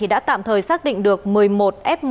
đã tạm thời xác định được một mươi một f một